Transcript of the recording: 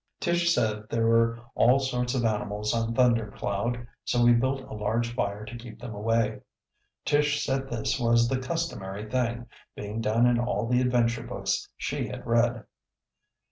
Tish said there were all sorts of animals on Thunder Cloud, so we built a large fire to keep them away. Tish said this was the customary thing, being done in all the adventure books she had read.